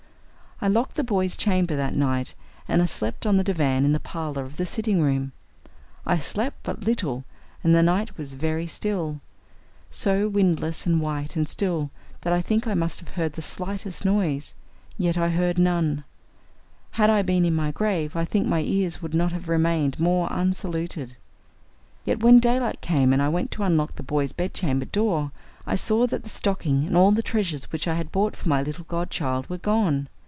I locked the boys' chamber that night, and I slept on the divan in the parlor off the sitting room. I slept but little, and the night was very still so windless and white and still that I think I must have heard the slightest noise. Yet I heard none. Had I been in my grave I think my ears would not have remained more unsaluted. Yet when daylight came and I went to unlock the boys' bedchamber door, I saw that the stocking and all the treasures which I had bought for my little godchild were gone.